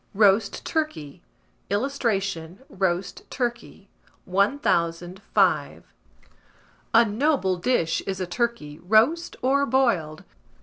ROAST TURKEY. [Illustration: ROAST TURKEY.] 1005. A noble dish is a turkey, roast or boiled.